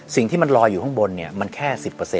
สิ่งที่มันลอยอยู่ข้างบนมันแค่๑๐